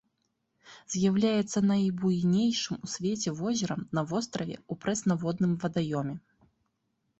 З'яўляецца найбуйнейшым у свеце возерам на востраве ў прэснаводным вадаёме.